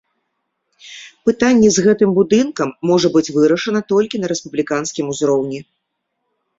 Пытанне з гэтым будынкам можа быць вырашана толькі на рэспубліканскім узроўні.